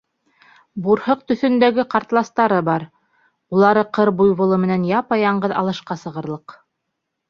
Бурһыҡ төҫөндәге ҡартластары бар, улары ҡыр буйволы менән япа-яңғыҙ алышҡа сығырлыҡ.